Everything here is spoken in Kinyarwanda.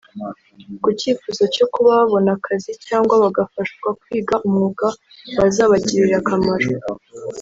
Ku cyifuzo cyo kuba babona akazi cyangwa bagafashwa kwiga umwuga wazabagirira akamaro